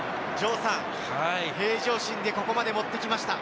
平常心でここまで持ってきました。